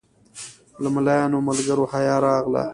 له ملایانو ملګرو حیا راغله.